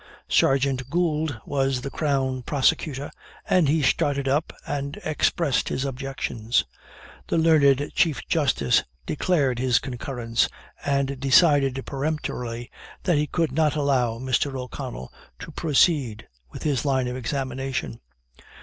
Sergeant Goold was the crown prosecutor, and he started up, and expressed his objections. The learned Chief Justice declared his concurrence, and decided peremptorily that he could not allow Mr. O'Connell to proceed with his line of examination.